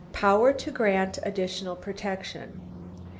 Power to grant additional protection.